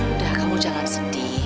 udah kamu jangan sedih